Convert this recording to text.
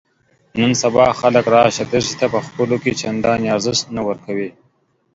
نن سبا خلک راشه درشې ته په خپلو کې چندان ارزښت نه ورکوي.